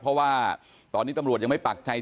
เพราะว่าตอนนี้ตำรวจยังไม่ปักใจ